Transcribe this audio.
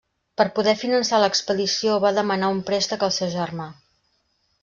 Per poder finançar l'expedició va demanar un préstec al seu germà.